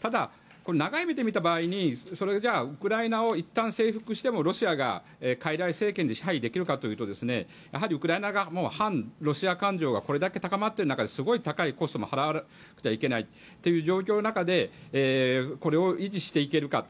ただ、長い目で見た場合にウクライナをいったん征服してもロシアが傀儡政権で支配できるかというとウクライナ側も反ロシア感情がこれだけ高まっている中ですごい高いコストも払わなくちゃいけないという状況の中でこれを維持していけるか。